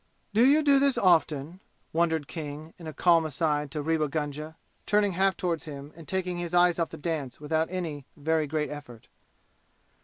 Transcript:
"Do you do this often?" wondered King, in a calm aside to Rewa Gunga, turning half toward him and taking his eyes off the dance without any very great effort.